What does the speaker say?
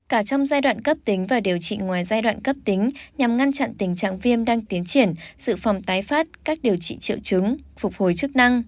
cả trong giai đoạn cấp tính và điều trị ngoài giai đoạn cấp tính nhằm ngăn chặn tình trạng viêm đang tiến triển sự phòng tái phát cách điều trị triệu chứng phục hồi chức năng